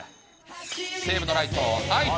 西武のライト、愛斗。